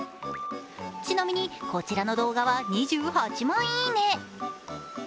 ちなみにこちらの動画は２８万いいね。